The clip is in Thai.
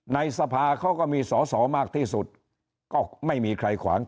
ในสภาเขาก็มีสอสอมากที่สุดก็ไม่มีใครขวาง